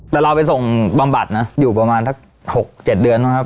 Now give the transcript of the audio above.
แต่เราไปส่งบำบัดนะอยู่ประมาณสัก๖๗เดือนบ้างครับ